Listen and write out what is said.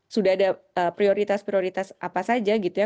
sudah ada prioritas prioritas apa saja gitu ya